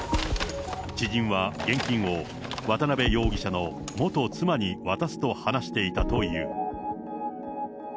知人は現金を渡辺容疑者の元妻に渡すと話していたという。